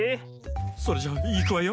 それじゃいくわよ。